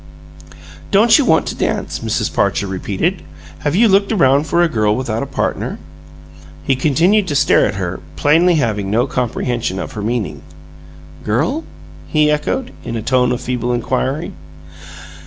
"Don't you want to dance?" Mrs. Parcher repeated. "Have you looked around for a girl without a partner?" He continued to stare at her, plainly having no comprehension of her meaning. "Girl?" he echoed, in a tone of feeble inquiry.